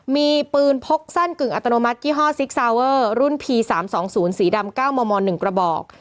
มีปืนพกสั้นกึ่งอัตโนมัติยี่ห้อซิกซาวเวอร์รุ่นพีสามสองศูนย์สีดำเก้ามอมอหนึ่งกระบอก